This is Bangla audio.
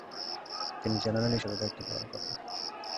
তিনি জেনারেল হিসেবে দায়িত্ব পালন করেন।